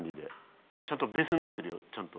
ちゃんとベースになってるよちゃんと。